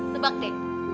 kamu mau berkerai sepi